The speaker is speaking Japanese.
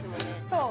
そう。